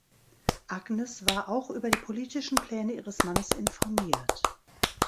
Agnes war auch über die politischen Pläne ihres Mannes informiert.